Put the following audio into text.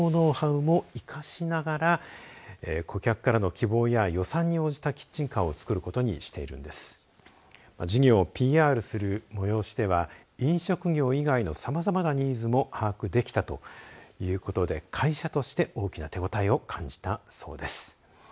この会社では、こうした消防車の製造ノウハウも生かしながら顧客からの希望や予算に応じたキッチンカーを作ることにしているんです。事業をＰＲする催しでは飲食業以外のさまざまなニーズも把握できたということで会社として大きな手応えを感じたそうです。